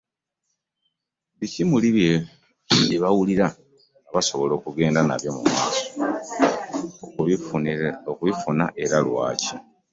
Biki muli bye bawulira nga basobola okugenda nabyo mu maaso okubifuna era lwaki?